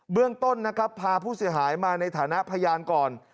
เบื้องต้นพาผู้เสียหายมาในฐานะพยานก่อน